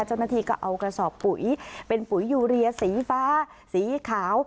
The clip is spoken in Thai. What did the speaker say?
เจ้าหน้าที่ก็เอากระสอบปุ๋ยเป็นปุ๋ยยูเรียสีฟ้าสีขาว